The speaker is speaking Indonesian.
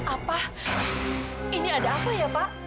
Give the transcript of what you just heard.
apa ini ada apa ya pak